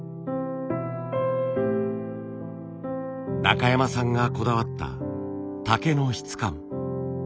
中山さんがこだわった竹の質感。